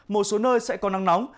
một số nơi sẽ có nắng nóng